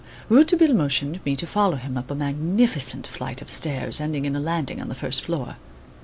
Rouletabille motioned me to follow him up a magnificent flight of stairs ending in a landing on the first floor.